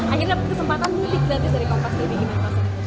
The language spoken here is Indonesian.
akhirnya dapet kesempatan mudik gratis dari kompastv